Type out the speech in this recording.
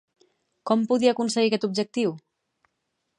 Com podia aconseguir aquest objectiu?